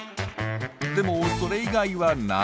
でもそれ以外は謎。